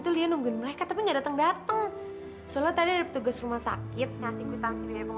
tuh dia nungguin mereka tapi nggak datang datang soalnya tadi ada petugas rumah sakit ngasih